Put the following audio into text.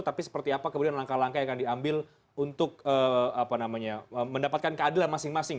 tapi seperti apa kemudian langkah langkah yang akan diambil untuk mendapatkan keadilan masing masing